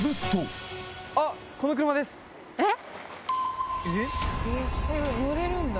えっ⁉